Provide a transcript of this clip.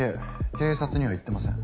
警察には行ってません。